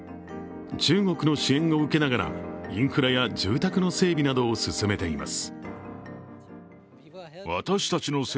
中国の支援を受けながら、インフラや住宅の整備などを進めています。